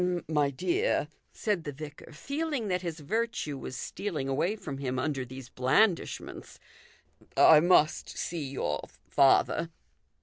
" My dear," said the vicar, feeling that his virtue was stealing away from him under these blandishments, " I must see your father."